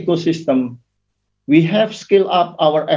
kami telah memperkuat usaha kami